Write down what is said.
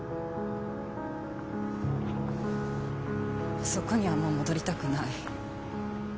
あそこにはもう戻りたくない。